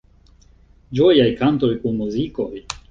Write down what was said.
Ĝojaj kantoj kun muzikoj